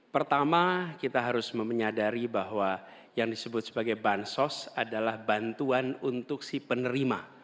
pertama kita harus menyadari bahwa yang disebut sebagai bansos adalah bantuan untuk si penerima